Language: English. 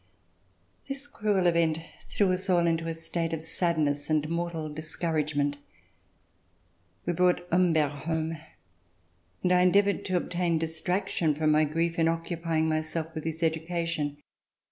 This cruel event threw us all into a state of sadness and mortal discouragement. We brought Humbert home, and I endeavored to obtain distraction from my grief in occupying myself with his education.